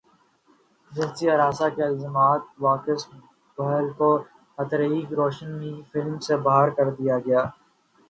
جنسی ہراساں کے الزامات وکاس بہل کو ہریتھک روشن کی فلم سے باہر کردیا گیا